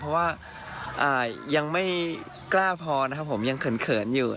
เพราะว่ายังไม่กล้าพอนะครับผมยังเขินอยู่